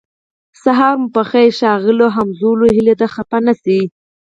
سهار مو پخیر ښاغلی هولمز هیله ده خفه نشئ